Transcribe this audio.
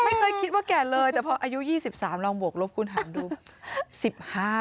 ไม่เคยคิดว่าแก่เลยแต่พออายุ๒๓ลองบวกลบคุณหันดู